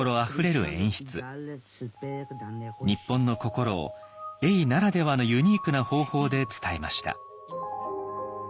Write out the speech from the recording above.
日本の心を永ならではのユニークな方法で伝えました。